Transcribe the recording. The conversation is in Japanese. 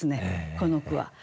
この句は。